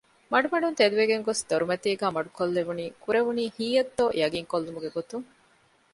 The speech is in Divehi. މަޑުމަޑުން ތެދުވެގެންގޮސް ދޮރުމަތީގައި މަޑުކޮށްލެވުނީ ކުރެވުނީ ހީއެއްތޯ ޔަޤީންކޮށްލުމުގެ ގޮތުން